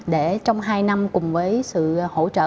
để trong hai năm cùng với sự hỗ trợ